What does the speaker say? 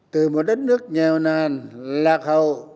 từ một đất nước nghèo nàn lạc hậu